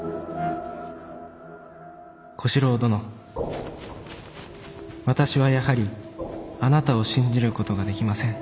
「小四郎殿私はやはりあなたを信じることができません。